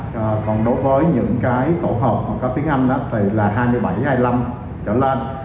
còn đối với những tổ hợp có tiếng anh là hai mươi bảy hai mươi năm trở lên